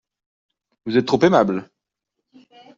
Vous êtes trop aimables.